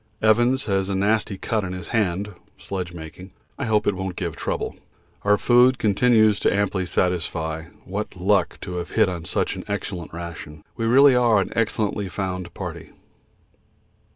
Evans has a nasty cut on his hand (sledge making). I hope it won't give trouble. Our food continues to amply satisfy. What luck to have hit on such an excellent ration. We really are an excellently found party.